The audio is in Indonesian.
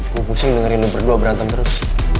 gue pusing dengerin lo berdua berantem terus